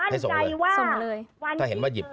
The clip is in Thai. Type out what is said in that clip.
ให้ส่งเลยถ้าเห็นว่าหยิบ